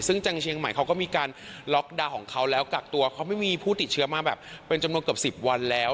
ซึ่งจังหวัดเชียงใหม่เขาก็มีการล็อกดาวน์ของเขาแล้วกักตัวเขาไม่มีผู้ติดเชื้อมาแบบเป็นจำนวนเกือบ๑๐วันแล้ว